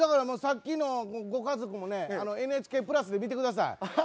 さっきのご家族もＮＨＫプラスで見てください。